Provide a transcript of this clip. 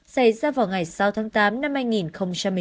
xảy ra vào ngày sáu tháng tám năm hai nghìn một mươi chín